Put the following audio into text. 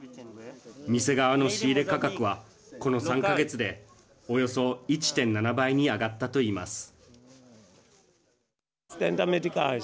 店側の仕入れ価格はこの３か月でおよそ１．７倍に上がったといいます。